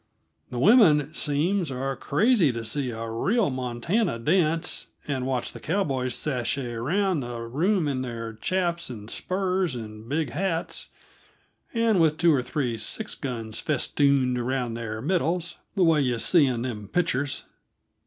The women, it seems, are crazy to see a real Montana dance, and watch the cowboys chasse around the room in their chaps and spurs and big hats, and with two or three six guns festooned around their middles, the way you see them in pictures.